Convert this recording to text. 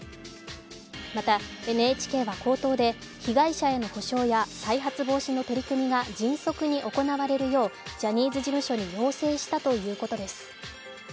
またＮＨＫは口頭で被害者への補償や再発防止の取り組みが迅速に行われるよう、ジャニーズ事務所に要請したということです。